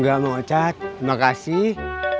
gak mau cat makasih